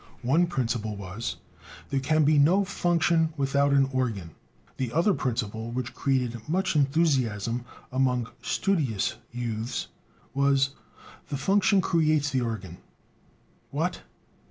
One principle was: "There can be no function without an organ." The other principle which created much enthusiasm among studious youths was: "The function creates the organ." What!